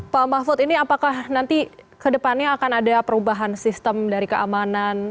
pak mahfud ini apakah nanti ke depannya akan ada perubahan sistem dari keamanan